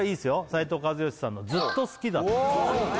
斉藤和義さんの「ずっと好きだった」